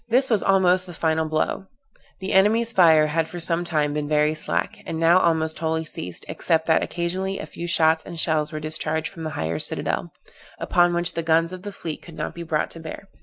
This was almost the final blow; the enemy's fire had for some time been very slack, and now almost wholly ceased, except that occasionally a few shots and shells were discharged from the higher citadel, upon which the guns of the fleet could not be brought to bear.